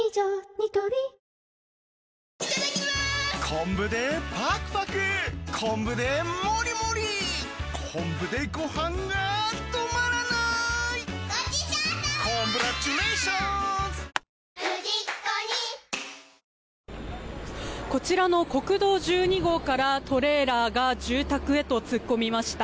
ニトリこちらの国道１２号からトレーラーが住宅へと突っ込みました。